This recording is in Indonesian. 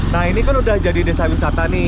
nah ini kan udah jadi desa wisata nih